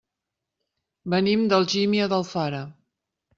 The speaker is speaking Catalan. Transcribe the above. Venim d'Algímia d'Alfara.